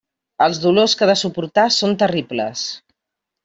Els dolors que ha de suportar són terribles.